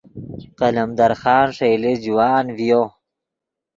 قلمدر خان ݰئیلے جوان ڤیو